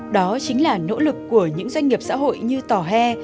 đó chính là nỗ lực của những doanh nghiệp xã hội như tòa hè